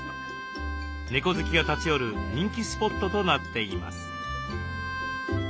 猫好きが立ち寄る人気スポットとなっています。